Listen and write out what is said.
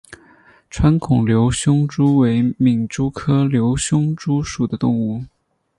穿孔瘤胸蛛为皿蛛科瘤胸蛛属的动物。